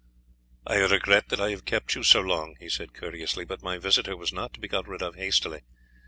"I regret that I have kept you so long," he said courteously, "but my visitor was not to be got rid of hastily.